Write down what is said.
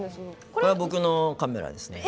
これは、僕のカメラです。